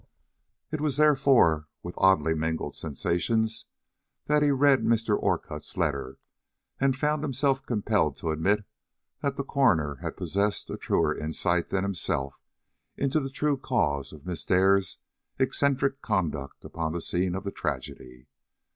It was, therefore, with oddly mingled sensations that he read Mr. Orcutt's letter, and found himself compelled to admit that the coroner had possessed a truer insight than himself into the true cause of Miss Dare's eccentric conduct upon the scene of the tragedy.